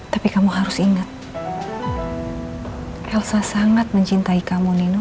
tapi kamu harus ingat elsa sangat mencintai kamu nino